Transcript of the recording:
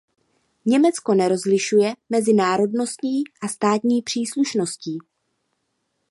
Německo nerozlišuje mezi národností a státní příslušností.